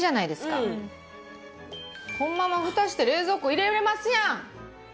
このまま蓋して冷蔵庫入れられますやん！